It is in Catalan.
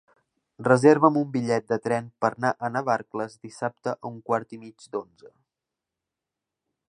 Reserva'm un bitllet de tren per anar a Navarcles dissabte a un quart i mig d'onze.